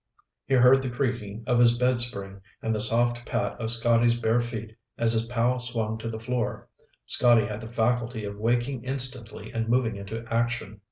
He heard the creaking of his bedspring and the soft pat of Scotty's bare feet as his pal swung to the floor. Scotty had the faculty of waking instantly and moving into action.